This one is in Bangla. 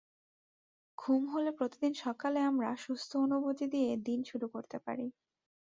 ঘুম হলে প্রতিদিন সকালে আমরা সুস্থ অনুভূতি দিয়ে দিন শুরু করতে পারি।